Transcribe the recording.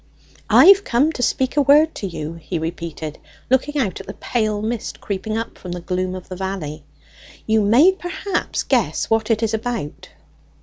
"I've come to speak a word to you," he repeated, looking out at the pale mist creeping up from the gloom of the valley. "You may perhaps guess what it is about."